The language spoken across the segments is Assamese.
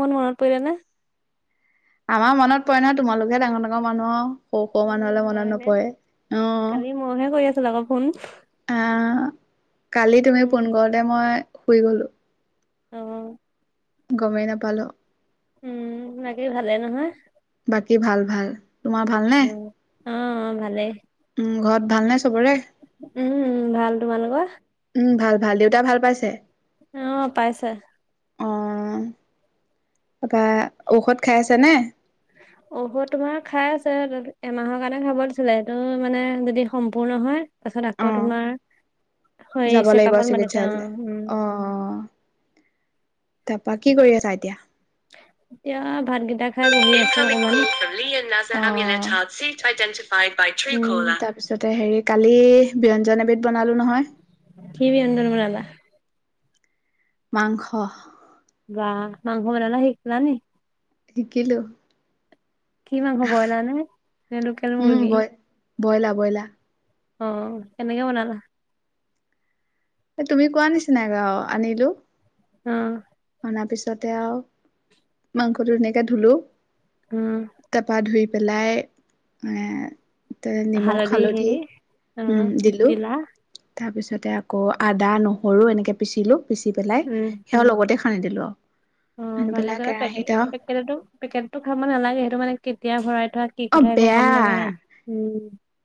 মান মনত পৰিলে নে। আমাৰ মনত পৰে নহয় তোমালোক হে ডাঙৰ ডাঙৰ মানুহ আও সৰু সৰু উম, মানুহলে হয় মনত নে? নপৰে অ' কালি মইহে কৰি আছিলোঁ, আক ফোন। অ কালি তুমি উম। ফোন কৰোতে মই শুই গ'লোঁ। অ' গমেই নাপালোঁ। উম বাকী ভালে নহয় বাকী ভাল ভাল তোমাৰ ভালনে? উম। অ অ' ভালেই। উম' ঘৰত ভাল নে চবৰে উম' ভাল তোমালোকৰ। উম' ভাল ভাল দেউতা ভাল পাইছে। অ' পাইছে। অঁ ত পা ঔষধ খাই আছে নে? ঔষধ তোমাৰ খাই আছে এমাহৰ কাৰণে খাব দিছিলে। এইটো মানে যদি সম্পূৰ্ণ হয়- তাৰপিছত আকৌ অ' তোমাৰ হেৰি যাব লাগিব চেকাপত মাতিছে অ' চিকিৎসালয়লৈ উম অ' অ' তা পা কি কৰি আছা এতিয়া। এতিয়া ভাতগিটা অ তা উম, তাৰপিছতে হেৰি কালি ব্যঞ্জন এবিধ বনালোঁ নহয়। কি ব্যঞ্জন বনালা? মাংস বাহ মাংস বনাবলৈ শিকিলা নি শিকিলোঁ কি মাংস বইলা নে নে লোকেল মুৰ্গীৰ। বইলা বইলা অ' কেনেকে বনালা? অ' তুমি কোৱা নিচিনাকে আও আনিলোঁ। অ' অনাৰ পিছতে আও মাংসটো ধুনীয়াকে ধুলোঁ। উম তাপা ধুই পেলাই মানে তে নিমখ হালধি উম' দিলোঁ জিলা তাৰ পিছতে আকৌ' আদা নহৰু এনেকে পিচিলো পিচি পেলাই উম। সেয়াও লগতে সা [unintelligible] সানি পেলাই কেৰাহীত অ' [unintelligible] পেকেটটো খাব নালাগে সেইটো মানে কেতিয়া ভৰাই থোৱা কি অ কথা একো গম নাপাওঁ না বেয়া উম,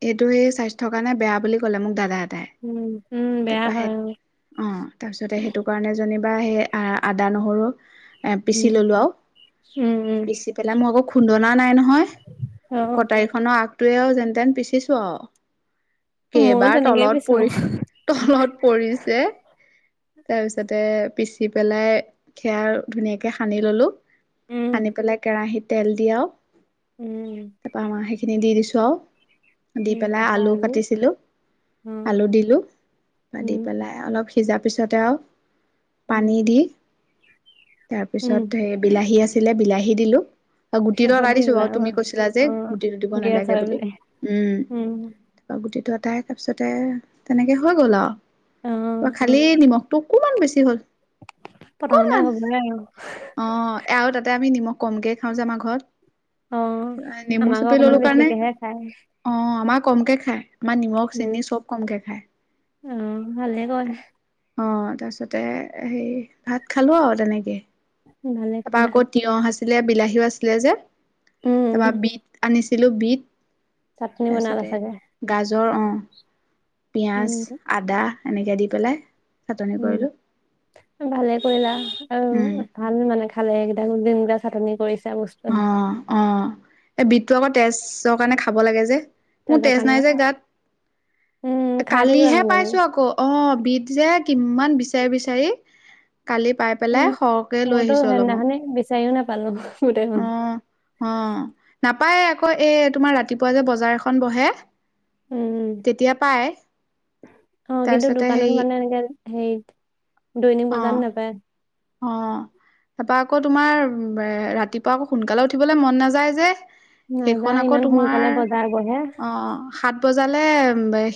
এইটো সেই স্বাস্থ্য কাৰণে বেয়া বুলি ক'লে মোক দাদা এটাই উম, উম, বেয়া তাপা হয় সেইত অ', অ' তাৰপিছতে সেইটো কাৰণে যেনিবা সেই আ-আদা, নহৰু- এ উম, পিচি ল'লোঁ আওঁ উম, উম, পিচি পেলাই মই আকৌ খুন্দনা নাই নহয় অ', কটাৰীখনৰ আগটোৱেও যেনতেন পিচিছোঁ আওঁ। ময়ো কেবাৰ তেনেকেই তলত পিছো। পৰি তলত পৰিছে। তাৰপিছতে পিচি পেলাই সেয়া ধুনীয়াকে সানি ল'লোঁ। উম, সানি পেলাই কেৰাহিত তেল দি আওঁ - উম, তাপা আমাৰ সেইখিনি দি দিছোঁ আওঁ দি উম, পেলাই তাৰপা আলু কাটিছিলোঁ অ', আলু দিলোঁ অ' দি উম, পেলাই অলপ সিজা তাৰপিছতে আও উম। পানী দি উম, তাৰপিছত হে বিলাহী আছিলে বিলাহী দিলোঁ অ'গুটিটো শেষত অতাই দি দিছো দিলা বাৰু অ', তুমি কৈছিলা যে অ', গুটিটো দিব গেছ নালাগে হয় বুলি বোলে উম, অ'গুটিটো অটাই তাৰপিছতে তেনেকে হৈ গ'ল আৰু বা অ', খালি নিমখটো অকমান বেছি হ'ল। প্ৰথমতে অকণমান হ'ব [unintelligible] অ' এ আৰু তাতে আমি নিমখ কমকেই খাওঁ যে আমাৰ ঘৰত। অ', নেমু আমাকো চেপি অকমান ললোঁ কাৰণে বেছিকেহে খায়। অ'আমাৰ কমকে খায় আমাৰ নিমখ, উম, চেনি চব কমকে খায়। অ' ভালে ক অ' তাৰপিছতে হেই ভাত খালোঁ আৰু তেনেকে। উম, ভালে কৰিলা। তিয়ঁহ আছিলে বিলাহীও আছিলে যে উম, তাপা বিট আনিছিলোঁ বিট চাটনি বনালা তাৰপিছতে চাগে? গাজৰ অহ, পিয়াজ উম, আদা এনেকে দি পেলাই চাটনি উম, কৰিলো উম ভালে কৰিলা আৰু উম ভাল হয় মানে খালে এই কেইটা [unintelligible] চাটনি কৰিছে অ'অ'এ বিতটো আকৌ তেচছৰ কাৰণে খাব লাগে যে। মোৰ তেজৰ তেজ নাই যে কাৰণে উম, গাত এ খাই থাকিবা কালিহে মাজে মাজে পাইছোঁ আকৌ। অ'বিট যে কিমান বিচাৰি, বিচাৰি কালি পাই পেলাই সৰহকে লৈ আহিছোঁ অলপমান। [unintelligible] নাপালোঁ গোটেই অ খন। অ' নাপায়ে আকৌ এ, তোমাৰ ৰাতিপুৱা যে বজাৰ এখন বহে উম। তেতিয়া পাই। অ'কিন্তু তাৰপিছতে দোকানত হেৰি মানে এনেকে হেৰিত দৈনিক বজাৰ অ নাপায়। অ', তাপা আকৌ তোমাৰ ৰাতিপুৱা আকৌ সোনকালে উঠিবলে মন নাযায় যে। নাযায় সেইখন আকৌ ইমান সোনকালে তোমাৰ বজাৰ বহে অ' সাত বজালে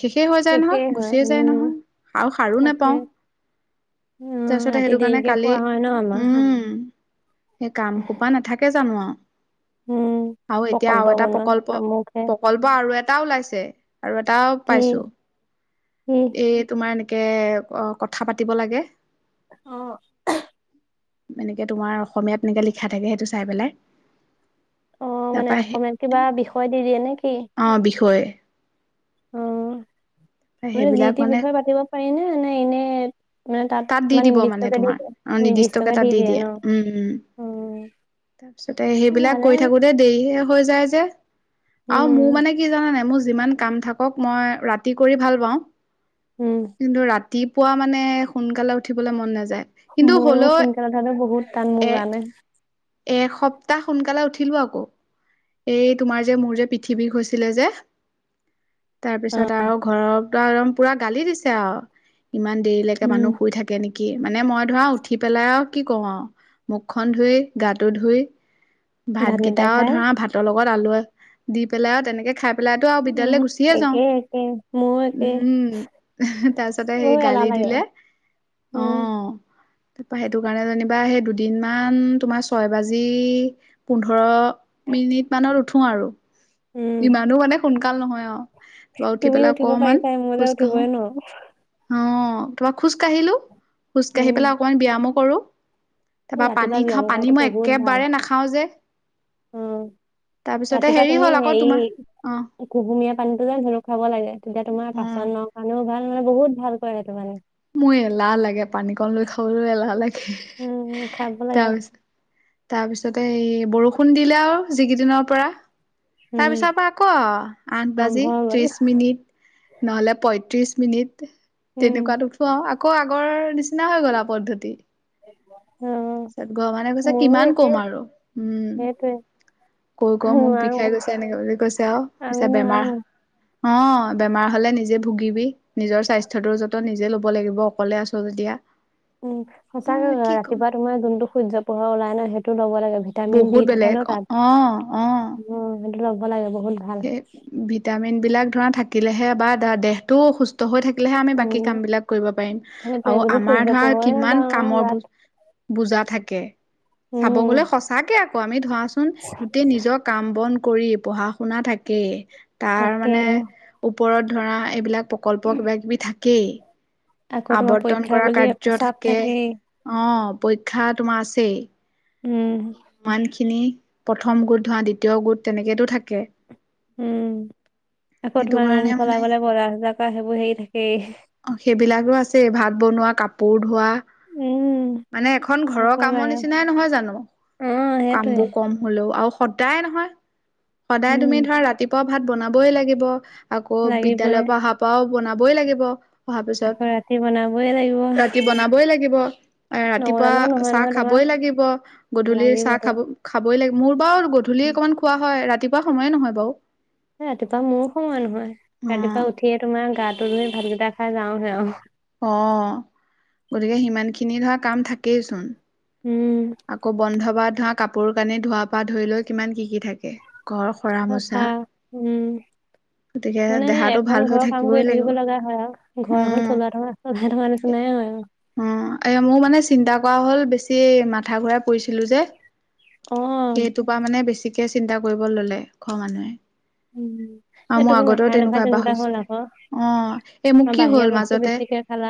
সেই সেই হৈ যায় শেষেই নহয় হয় গুচিয়ে যায় উম, নহয় আৰু সাৰো তাকে। নেপাওঁ। তাৰপিছতে সেইটো কাৰণে কাল কোৱা হয় ন' আমা সেই কাম সোপা নাথাকে জানো আওঁ, উম, আওঁ এতিয়া প্ৰকল্প আওঁ এটা বনোৱা প্ৰকল্প-প আমুকে প্ৰকল্প আৰু এটা ওলাইছে আৰু এটাও কি পাইছোঁ কি এ তোমাৰ এনেকে ক কথা পাতিব লাগে অ এনেকে তোমাৰ অসমীয়াত এনেকে লিখা থাকে সেইটো চাই পেলাই অ মানে তাৰপা সেই অসমীয়াত কিবা বিষয় দি দিয়ে নেকি? অ বিষয় মানে যিটি বিষয় পাতিব পাৰি নে না এনে মানে তাত দি ইমান দিব মানে নিৰ্দিষ্টকে দি তোমাৰ দিয়ে অ নিৰ্দিষ্টকে তাত দি দিয়ে ন। উম তাৰ পিছতে সেইবিলাক ভালে কৰি থাকো দেৰিহে হৈ যায় যে আও মোৰ উম মানে কি জানা নাই মোৰ যিমান কাম থাক ক মই ৰাতি কৰি ভাল পাওঁ উম কিন্তু ৰাতিপুৱা মানে সোনকালে উঠিবলে মন নাযায় কিন্তু মইও হ'লেও সোনকালে উঠাটো বহুত টান মোৰ এ কাৰনে এসপ্তাহ সোনকালে উঠিলো আকৌ এই তোমাৰ যে মোৰ যে পিথি বৃষ হৈছিলে যে তাৰ অ পিছত আও ঘৰতো একদম পুৰা গালি দিছে আও, ইমান দেৰিলেকে উম মানুহ শুই থাক কে নেকি, মানে মই ধৰা উঠি পেলাই আও কি কৰো আৰু মুখখন ধুই গাটো ধুই ভাতকেইটা ভাতকেইটাও খাই ধৰা ভাতৰ লগত আলু দি পেলাই আৰু তেনেকে খাই পেলাই‌তো আৰু উম বিদ্যলয় গুচিয়ে যাও একে একে মোৰো একে উম তাৰপিছত তাতে সেই বহুত এলাহ গালি লাগে দিলে অ উম তাৰপা সেইটো কাৰণে যেনিবা সেই দুদিনমান তোমাৰ ছয় বাজি পোন্ধৰ মিনিট মানত উঠো আৰু উম ইমানো মানে সোনকাল নহয় আৱ তাপা উঠি তুমি পেলাই উঠিব অকমান পাৰিছাই মই যে খোজ কাঢ়ো উঠিবই নোৱাৰো অ তোমা খোজ কাঢ়িলো, খোজ কাঢ়ি উম পেলাই অকমান ব্যামো কৰো তাৰপা ৰাতিপুৱা পানী ব্যায়াম খাওঁ কৰাটো পানী মই একেবাৰে নাখাওঁ যে উম তাৰপিছতে ৰাতিপুৱা হেৰি তুমি হ'ল আকৌ হেৰি তোমাৰ অ কুহুমীয়া পানীটো যে ধনুক খুৱাব লাগে তেতিয়া তোমাৰ উম পাচন ন মানুহ ভাল মানে বহত ভাল কৰে তাতো মানে মোৰ এলাহ লাগে পানীকণ লৈ খাবলে এলাহ লাগে উম খাব লাগে তাৰপিছত তাৰপিছতে এই বৰষুণ দিলে আৰু যিকিদিনৰ পৰা উম তাৰপিছত পৰা আকৌ আঠ আৰম্ভ বাজি হৈ গ'ল। ত্ৰিশ মিনিট, নহ'লে পৈত্ৰিছ মিনিট উম তেনেকুৱাত উঠুৱাও আকৌ আগৰ নিচিনা হৈ গলা পদ্ধতি অ' ঘৰৰ মানুহে কৈছে মোৰো কিমান একে কম আৰু উম সেইটোৱে কৈ কৈ মূক নোৱাৰো বিষাই গৈছে এনেকে বুলি আৰু আমি পিছে নোৱাৰো। বেমাৰ অ বেমাৰ হলে নিজে ভুগিবি নিজৰ স্বাস্থ্য টো যতন নিজে ল লব লাগিব অকলে আছোঁ যেতিয়া উম অ সঁচাকে কি কম ৰাতিপুৱা তোমাৰ যোনটো সূৰ্য পোহৰ ওলাই ন সেইটো ল'ব লাগে ভি বহুত বেলেগ অ অ উম সেইটো লব লাগে বহুত ভাল। সেই ভিটামিন বিলাক ধৰা থাকিলেহে বা দেহটো সুস্ স্থ হৈ থাকিলেহে আমি বাকী কাম উম বিলাক কৰিব পাৰিম সেইটোৱে আৰু যদি আমাৰ সূৰ্য ধৰা পোহৰে কিমান নাপাওঁ কামৰ বু গাত বুজা থাকে চাব উম গলে সঁচাকে আক কৌ আমি ধৰাচোন গোটেই নিজৰ কাম বন কৰি, পঢ়া শুনা থাকেই তাৰমানে তাকে। ওপৰত ধৰা এইবিলাক প্ৰকল্প কিবা কিবি থাকেই আকৌ তোমাৰ আৱৰ্তন পৰীক্ষা কৰা বুলি একো চাপ কাৰ্যতকে, থাকেই। অঁ, পৰীক্ষা তোমাৰ আছেই। উম, ইমানখিনি প্ৰথম গোট [unintelligible] দ্বিতীয় গোট তেনেকেটো থাকে। উম, আকৌ সেইটো তোমাৰ ৰুম কাৰণে মানে চলাবলৈ বজাৰ-তজাৰ কৰা সেইবোৰ হেৰি থাকেই। অ সেইবিলাকো আছে ভাত বনোৱা, কাপোৰ ধোৱা। উম, মানে এখন ঘৰৰ নকবাই কামৰ আৰু নিচিনাই নহয় জানো? অ', সেইটোৱে কামবোৰ কম হলেও আৰু সদায় নহয় সদায় উম, তুমি ধৰা ৰাতিপুৱা ভাত বনাবই লাগিব, আকৌ লাগিবই। বিদ্যয়ালয়ৰ পৰা অহা পাও বনাবই লাগিব। অহাৰ পিছত। আকৌ ৰাতি বনাবই লাগিব ৰাতি বনাবই লাগিব, ৰাতিপুৱা নবনালেও নহয় চাহ নহয় তোমাৰ খাবই লাগি ব গধূলিৰ চাহ লাগিবতো। খাব খাবই লাগে মোৰ বাৰু গধূলি অকণমান খোৱা হয়, ৰাতিপুৱা সময়ে নহয় বাৰু। ৰাতিপুৱা মোৰো সময় নহয়, অ ৰাতিপুৱা উঠিয়ে তোমাৰ গাটো ধুই ভাতকেইটা খাই যাওহে আৰু। অঁ, গতিকে সিমানখিনি ধৰা কাম থাকেইচোন। উম। আকৌ বন্ধ বাৰত ধৰা কাপোৰ কানি ধোৱা পৰা ধৰি লৈ কিমান কি কি থাকে। ঘৰ সৰা সঁচা, মোচা উম। গতিকে মানে সেই, দেহাটো এখন ভাল হৈ ঘৰৰ কাম থাকিবই কৰি লাগিব। থাকিব লগা হয় আৰু ঘৰ এখন উম চলোৱা থকা। [unintelligible] থকা নিচিনাই হয় আৰু। অ, এ মোৰ মানে চিন্তা কৰা হ'ল বেছি, মাথা ঘূৰাই পৰিছিলো যে। অ', সেইটোৰ পৰা মানে বেছিকে চিন্তা কৰিবল ললে ঘৰৰ মানুহে। উম। আও এই মোৰ তুমি আগতেও, নাখায় নাখায় তেনেকুৱা এবাহ হ'ল হৈছিলে। আকৌ অ' এ মোৰ আৰু কি বাহিৰা হ'ল, বস্তু মাজতে বেছিকে খালা।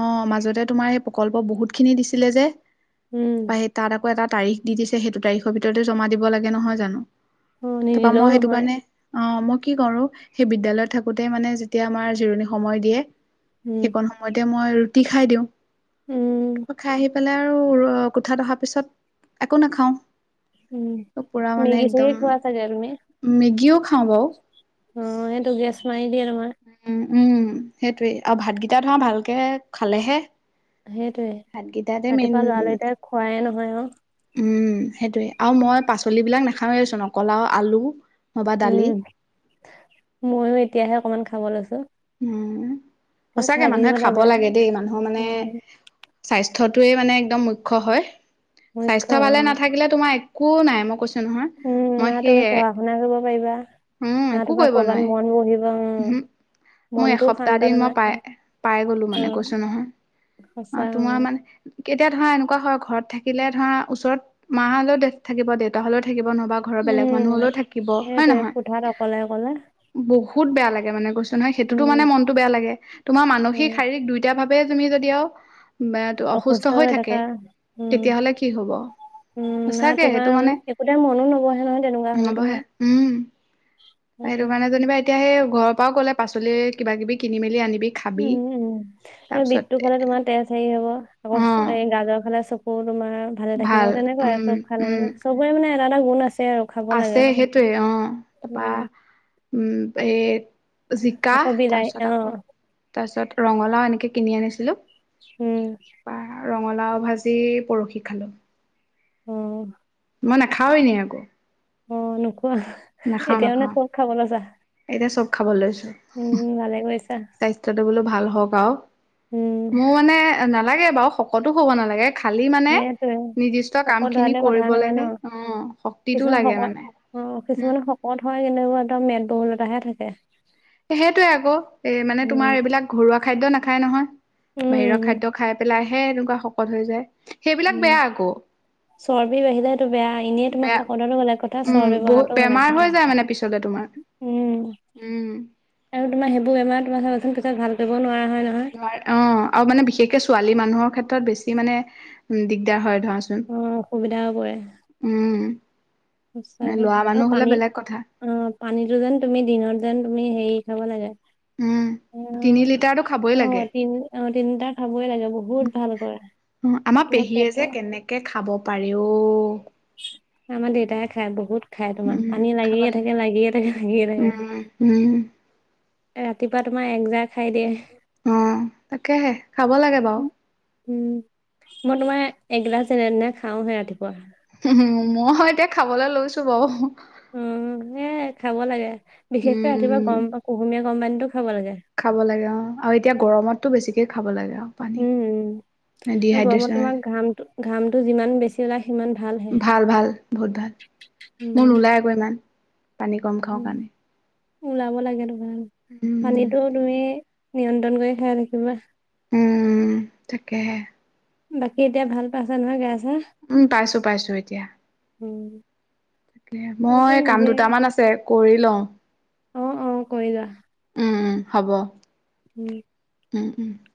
অ' মাজতে তোমাৰ এই প্ৰকল্প, বহুতখিনি দিছিলে যে। উম, [unintelligible] তাত আকৌ এটা তাৰিখ দি দিছে, সেইটো তাৰিখৰ ভিতৰতে জমা দিব লাগে নহয় জানো। অ' তাপা, নিদিলেও মই সেইটো নহয়। কাৰণে অ' মই কি কৰোঁ, সেই বিদ্যালয়ত থাকোতে মানে, যেতিয়া আমাৰ জিৰণি সময় দিয়ে উম, সেইকণ সময়তে মই ৰুটি খাই দিওঁ, উম, [unintelligible] খাই আহি পেলাই আৰু কোঠাত অহা পিছত, একো নাখাওঁ। উম। পোৰা মানে মেগী চেগি একদম, খোৱা চাগে তুমি? মেগীউ খাও বাও। অ' সেইটো গেছ মাৰি দিয়ে তোমাৰ। উম, উম, সেইটোৱেই আৰু ভাতগিটা ধৰা, ভালকে খালেহে। সেইটোয়ে, ভাতকেইটাতে মেইন ৰাতিপুৱা লৰালৰিতে খোৱায়ে নহয় আওঁ। উম সেইটোৱে, আৰু মই পাচলিবিলাক নেখাওঁয়ে চুন, অকল আওঁ আলু নবা দালি উম, ময়ো এতিয়াহে, অকমান খাব লৈছোঁ। উম, সঁচাকে মানুহে খাব লাগে দেই, মানুহ মানে উম, স্বাস্থ্যটোৱে মানে, একদম মুখ্য হয়। মুখ্য স্বাস্থ্য ভালে অ'। নাথাকিলে তোমাৰ একো নাই, মই কৈছোঁ নহয়, উম, মই না তুমি সেয়ে পঢ়া শুনা কৰিব পাৰিবা [unintelligible] না তোমাৰ কৰ'বাত মন বহিব, উহু [unintelligible] মই মনটোও এসপ্তাহ শান্ত দিন মই নালাগে, পাই, পাই গলো মানে, অ' কৈছোঁ নহয়। অ' তোমাৰ মানে, কেতিয়া ধৰা এনেকুৱা হয়, ঘৰত থাকিলে ধৰা, ওচৰত মা হ'লেও [unintelligible] থাকিব, দেউতা হ'লেও থাকিব, নহবা ঘৰৰ বেলেগ মানুহ উম। হ'লেও থাকিব, হয়, সেইটোৱে নহয়। কোঠাত অকলে অকলে বহুত বেয়া লাগে মানে, কৈছো নহয়। সেইটোতো উম মানে মনটো বেয়া লাগে, তোমাৰ মানসিক, উম শাৰীক দুইটা ভাৱ [unintelligible] তুমি যদি আওঁ [unintelligible] অসুস্থ হৈ থাকে, উম তেতিয়া হ'লে কি হ'ব। উম না সঁচাকে তোমাৰ সেইটো মানে একোতে মনো নবহে নহয় তেনেকুৱা হলে নবহে, তোমাৰ উম। সেইটো সেইটোৱে কাৰণে যেনিবা এতিয়া, সেই ঘৰৰ পাওঁ ক'লে, পাচলি কিবা কিবি কিনি মেলি আনিবি। খাবি উম, উম, সেই তাৰপিছত বিতটো খালে তোমাৰ তেজ হেৰি হ'ব, আকৌ অ গাজৰ খালে চকু- আকৌ তোমাৰ ভালে থাকিব। ভাল তেনেকুৱা উম চব খালে উম মানে চবৰে মানে এটা এটা গুণ আছে আৰু। খাব লাগে আছে। সেইটোৱে অঁ, তাৰপা উম উম, এ- জিকা, আকৌ বিলাহী অ তাৰপিছত আকৌ তাৰপিছত ৰঙালাও এনেকে কিনি আনিছিলোঁ। উম। তাৰপা ৰঙালাও ভাজি পৰখি খালোঁ। অঁ। মই নাখাওঁ এনে আকৌ। অঁ, নোখোৱা, নাখাও এতিয়া মানে নাখাও চব খাব লৈছা। এতিয়া চব খাব লৈছোঁ। উম ভালে কৰিছা স্বাস্থ্যটো বোলো ভাল হওঁক আওঁ। উম মোৰ মানে নালাগে বাৰু, শকতো হ'ব নালাগে। খালি মানে, সেইটোৱে নিৰ্দিষ্ট কাম শকত খিনি হোৱাতে কথা কৰিব নহয় লাগে ন অঁ, শক্তিটো লাগে মানে। অঁ, উম, কিছুমান শকত হয়, সিহঁতবোৰৰ মেদবহুলতাহে থাকে। সেইটোৱে আকৌ, এ মানে উম তোমাৰ এইবিলাক ঘৰুৱা খাদ্য নাখায় নহয়, বাহিৰ উম খাদ্য খায়- পেলাই হে এনেকুৱা শকত হৈ যায়, সেইবিলাক বেয়া আকৌ। চৰ্বি বাহিলে তো বেয়া। এনেই তোমাৰ বেয়া। শকতটো বেলেগ কথা উম, চৰ্বি বহুত বঢ়াটো বেলেগ বেমাৰ কথা। হৈ যায় মানে পিছলে তোমাৰ। উম উম। আৰু তোমাৰ, সেইবোৰ বেমাৰ তোমাৰ ভাল কৰিব নোৱাৰা হয় নহয়। অঁ আৰু মানে বিশেষকে ছোৱালী মানুহৰ ক্ষেত্ৰত বেছি মানে দিগদাৰ হয় ধৰ। অঁ, অসুবিধাও পৰে। উম, ল'ৰা মানুহ হ'লে বেলেগ কথা। অঁ, পানীতটো যেন তুমি দিনত যেন তুমি হেৰি খাব লাগে। উম তিনি অঁ, লিটাৰটো খাবই অঁ, লাগে তিনি অঁ, তিনি লিটাৰ খাব লাগে বহুত ভাল কৰে। অঁ, আমাৰ তোমাৰ পেহীয়ে পেটৰ যে কেনেকে খাব পাৰে অওঁ। আমাৰ দেউতাই খায়, বহুত খাই তোমাৰ উম পানী খাব লাগিয়ে লাগে থাকে, লাগিয়ে থাকে, লাগিয়ে থাকে। উম, উম। ৰাতিপুৱা তোমাৰ একজাৰ খাই দিয়ে। অঁ, তাকেহে খাব লাগে বাৰু। উম, মই তোমাৰ এগিলাছ যেনেতেনে খাওঁহে ৰাতিপুৱা। উম, মই এতিয়া খাবলৈ লৈছো বাৰু। উম, সেয়াই খাব লাগে। বিশেষকে ৰাতিপুৱা উম গৰম প কুহুমীয়া গৰম পানীতো খাব লাগে। খাব লাগে অঁ, আৰু এতিয়া গৰমতটো বেছিকে খাব লাগে আৰু পানী। উম, উম। গৰমত ডিহাইড্ৰেচন তোমাৰ হৈছে, ঘামটো ঘামটো যিমান বেছি ওলাই সিমান ভালহে। ভাল, ভাল বহুত ভাল। মোৰ উম, নোলাই আকৌ ইমান, পানী কম খাওঁ উম। কাৰণে। ওলাব লাগে তোমাৰ। উম। পানীতটো তুমি নিয়ন্ত্ৰণ কৰি খাই থাকিবা। উম, তাকেহে। বাকী এতিয়া ভাল পাইছা নহয় গা- চা? উম, পাইছো পাইছো এতিয়া। উম, তাকে এইটো মই কাম নিজে দুটামান আছে- কৰি লওঁ। অঁ, অঁ, কৰি লোৱা। উম, হ'ব। [unintelligible] [unintelligible]